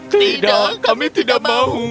tidak kami tidak mau